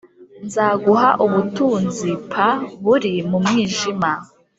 Nzaguha ubutunzi p buri mu mwijima